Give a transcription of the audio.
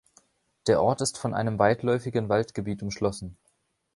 Der Ort ist von einem weitläufigen Waldgebiet umschlossen.